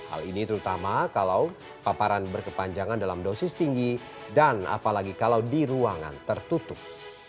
hal ini terutama kalau paparan berkepanjangan dalam dosis tinggi dan apalagi kalau di ruangan tertutup